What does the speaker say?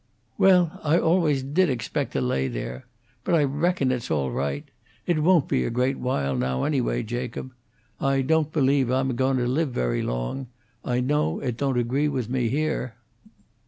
"Well, I always did expect to lay there. But I reckon it's all right. It won't be a great while, now, anyway. Jacob, I don't believe I'm a goin' to live very long. I know it don't agree with me here."